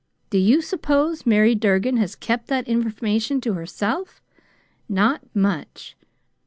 Do you suppose Mary Durgin has kept that information to herself? Not much!